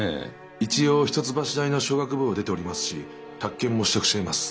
一応一橋大の商学部を出ておりますし宅建も取得しています。